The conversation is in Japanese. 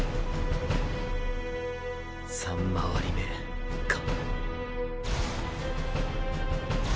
三回り目か